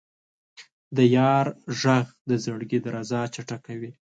د یار ږغ د زړګي درزا چټکوي.